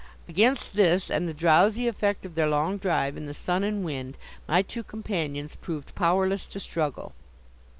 Against this, and the drowsy effect of their long drive in the sun and wind, my two companions proved powerless to struggle.